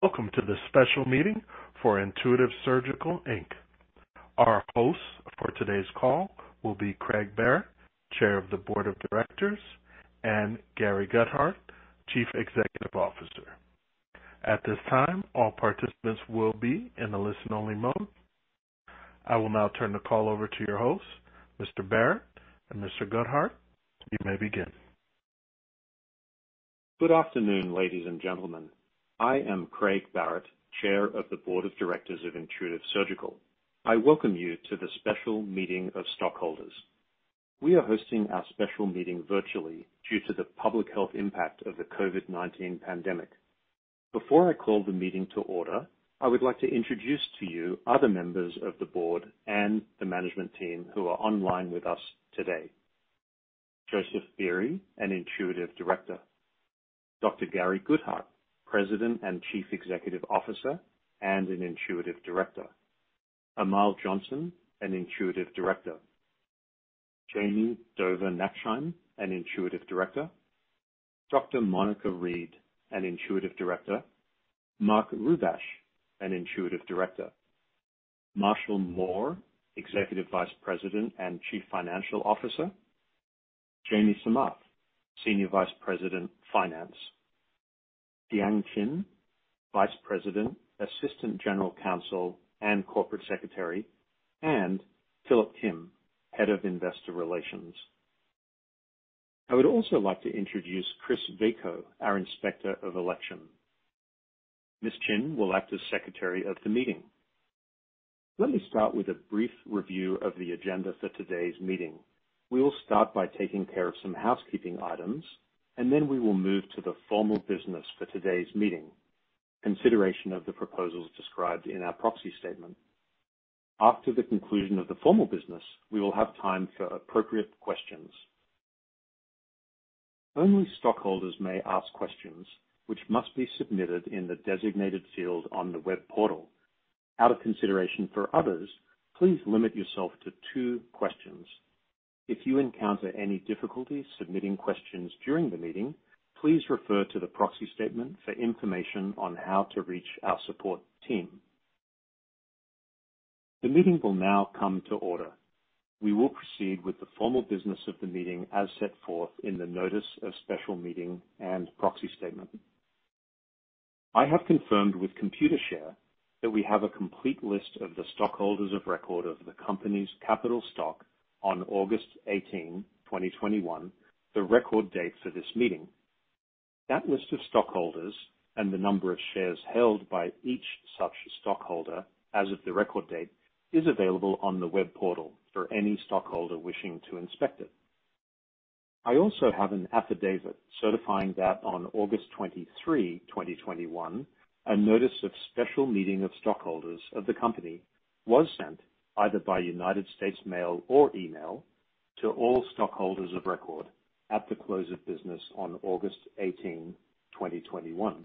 Welcome to this special meeting for Intuitive Surgical, Inc. Our hosts for today's call will be Craig Barratt, Chair of the Board of Directors, and Gary Guthart, Chief Executive Officer. At this time, all participants will be in a listen only mode. I will now turn the call over to your hosts, Mr. Barratt and Mr. Guthart. You may begin. Good afternoon, ladies and gentlemen. I am Craig Barratt, Chair of the Board of Directors of Intuitive Surgical. I welcome you to the special meeting of stockholders. We are hosting our special meeting virtually due to the public health impact of the COVID-19 pandemic. Before I call the meeting to order, I would like to introduce to you other members of the board and the management team who are online with us today. Joseph Beery, an Intuitive Director. Dr. Gary Guthart, President and Chief Executive Officer, and an Intuitive Director. Amal Johnson, an Intuitive Director. Jami Dover Nachtsheim, an Intuitive Director. Dr. Monica Reed, an Intuitive Director. Mark Rubash, an Intuitive Director. Marshall Mohr, Executive Vice President and Chief Financial Officer. Jamie Samath, Senior Vice President, Finance. Dean Chin, Vice President, Assistant General Counsel and Corporate Secretary, and Philip Kim, Head of Investor Relations. I would also like to introduce Chris Vaco, our Inspector of Election. Ms. Chin will act as Secretary of the meeting. Let me start with a brief review of the agenda for today's meeting. We will start by taking care of some housekeeping items, and then we will move to the formal business for today's meeting, consideration of the proposals described in our proxy statement. After the conclusion of the formal business, we will have time for appropriate questions. Only stockholders may ask questions, which must be submitted in the designated field on the web portal. Out of consideration for others, please limit yourself to two questions. If you encounter any difficulties submitting questions during the meeting, please refer to the proxy statement for information on how to reach our support team. The meeting will now come to order. We will proceed with the formal business of the meeting as set forth in the notice of special meeting and proxy statement. I have confirmed with Computershare that we have a complete list of the stockholders of record of the company's capital stock on August 18, 2021, the record date for this meeting. That list of stockholders and the number of shares held by each such stockholder as of the record date, is available on the web portal for any stockholder wishing to inspect it. I also have an affidavit certifying that on August 23, 2021, a notice of special meeting of stockholders of the company was sent either by United States mail or email to all stockholders of record at the close of business on August 18, 2021.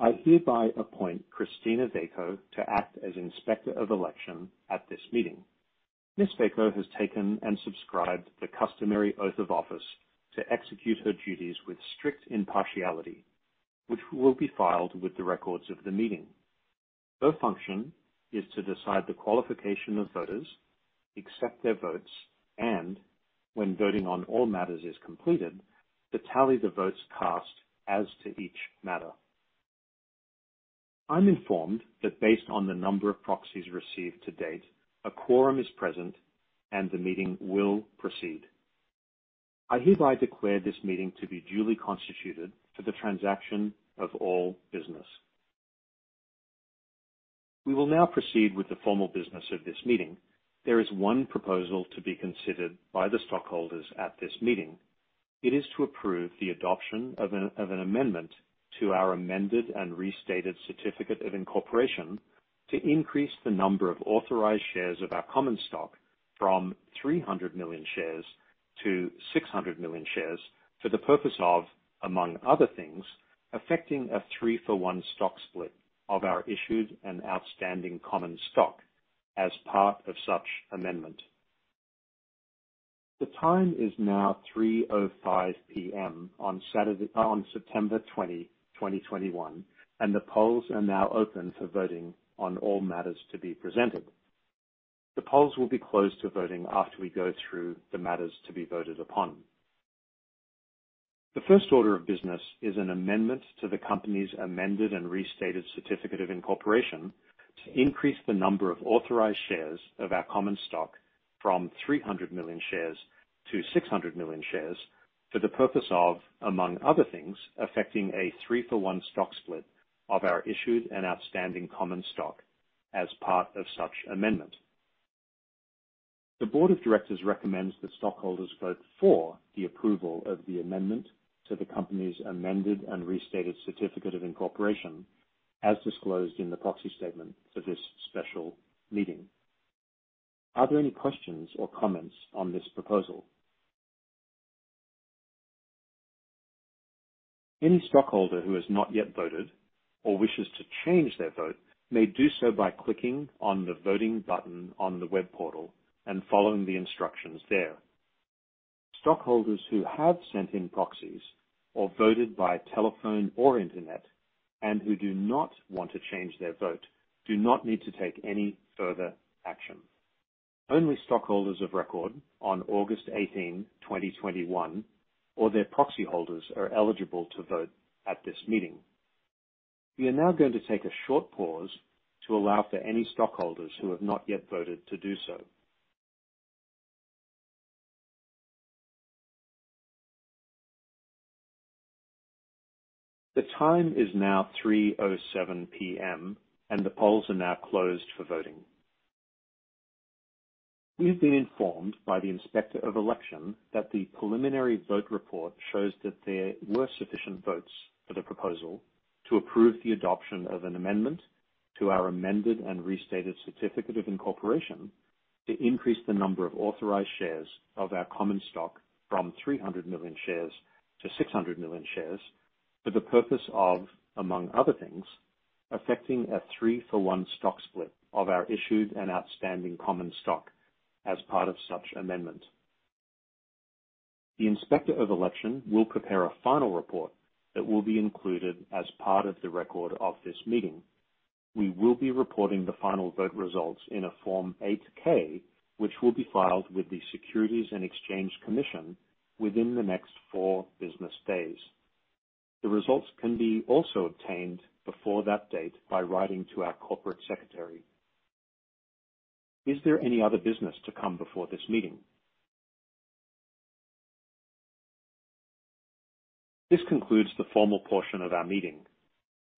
I hereby appoint Christina Vaco to act as Inspector of Election at this meeting. Ms. Vaco has taken and subscribed the customary oath of office to execute her duties with strict impartiality, which will be filed with the records of the meeting. Her function is to decide the qualification of voters, accept their votes, and when voting on all matters is completed, to tally the votes cast as to each matter. I'm informed that based on the number of proxies received to date, a quorum is present and the meeting will proceed. I hereby declare this meeting to be duly constituted for the transaction of all business. We will now proceed with the formal business of this meeting. There is 1 proposal to be considered by the stockholders at this meeting. It is to approve the adoption of an amendment to our amended and restated certificate of incorporation to increase the number of authorized shares of our common stock from 300 million shares to 600 million shares for the purpose of, among other things, effecting a three-for-one stock split of our issued and outstanding common stock as part of such amendment. The time is now 3:05 P.M. on Saturday, September 20, 2021, and the polls are now open for voting on all matters to be presented. The polls will be closed to voting after we go through the matters to be voted upon. The first order of business is an amendment to the company's amended and restated certificate of incorporation to increase the number of authorized shares of our common stock from 300 million shares to 600 million shares for the purpose of, among other things, effecting a three-for-one stock split of our issued and outstanding common stock as part of such amendment. The board of directors recommends that stockholders vote for the approval of the amendment to the company's amended and restated certificate of incorporation as disclosed in the proxy statement for this special meeting. Are there any questions or comments on this proposal? Any stockholder who has not yet voted or wishes to change their vote may do so by clicking on the voting button on the web portal and following the instructions there. Stockholders who have sent in proxies or voted by telephone or internet and who do not want to change their vote do not need to take any further action. Only stockholders of record on August eighteenth, 2021, or their proxy holders are eligible to vote at this meeting. We are now going to take a short pause to allow for any stockholders who have not yet voted to do so. The time is now 3:07 P.M., and the polls are now closed for voting. We have been informed by the Inspector of Election that the preliminary vote report shows that there were sufficient votes for the proposal to approve the adoption of an amendment to our amended and restated certificate of incorporation to increase the number of authorized shares of our common stock from 300 million shares to 600 million shares for the purpose of, among other things, efffecting a three-for-one stock split of our issued and outstanding common stock as part of such amendment. The Inspector of Election will prepare a final report that will be included as part of the record of this meeting. We will be reporting the final vote results in a Form 8-K, which will be filed with the Securities and Exchange Commission within the next four business days. The results can be also obtained before that date by writing to our corporate secretary. Is there any other business to come before this meeting? This concludes the formal portion of our meeting.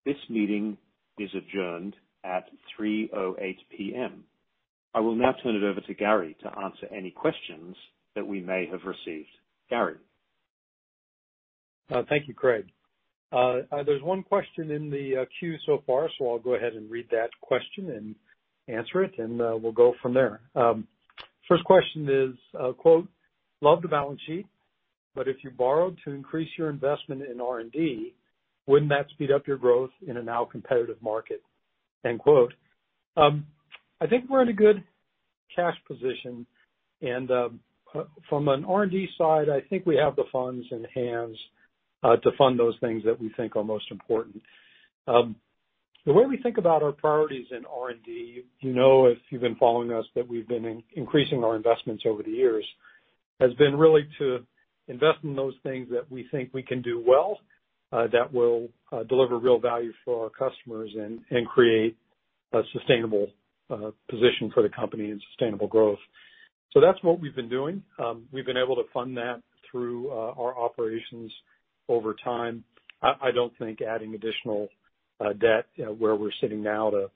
This meeting is adjourned at 3:08 P.M. I will now turn it over to Gary to answer any questions that we may have received. Gary. Thank you, Craig. There's one question in the queue so far. I'll go ahead and read that question and answer it. We'll go from there. First question is, "Love the balance sheet, if you borrowed to increase your investment in R&D, wouldn't that speed up your growth in a now competitive market?" I think we're in a good cash position. From an R&D side, I think we have the funds on hands to fund those things that we think are most important. The way we think about our priorities in R&D, you know, if you've been following us, that we've been increasing our investments over the years, has been really to invest in those things that we think we can do well, that will deliver real value for our customers and create a sustainable position for the company and sustainable growth. That's what we've been doing. We've been able to fund that through our operations over time. I don't think adding additional debt where we're sitting now to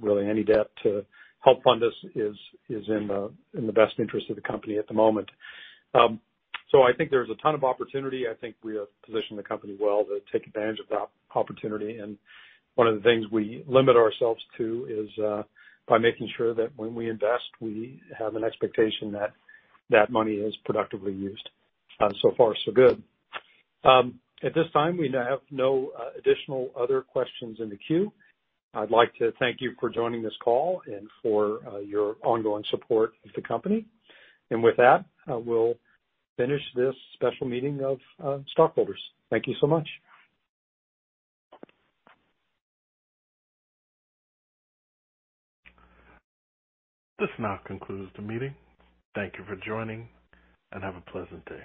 really any debt to help fund us is in the best interest of the company at the moment. I think there's a ton of opportunity. I think we have positioned the company well to take advantage of that opportunity. One of the things we limit ourselves to is by making sure that when we invest, we have an expectation that that money is productively used. So far, so good. At this time, we have no additional other questions in the queue. I'd like to thank you for joining this call and for your ongoing support of the company. With that, we'll finish this special meeting of stockholders. Thank you so much. This now concludes the meeting. Thank you for joining, and have a pleasant day.